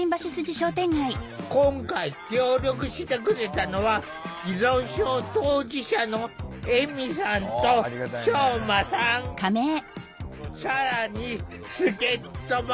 今回協力してくれたのは依存症当事者の更に助っとも！